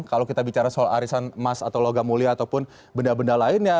kalau kita bicara soal arisan emas atau logam mulia ataupun benda benda lainnya